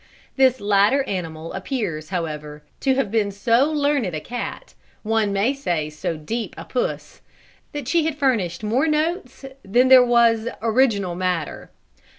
This latter animal appears, however, to have been so learned a cat one may say so deep a puss that she had furnished more notes than there was original matter.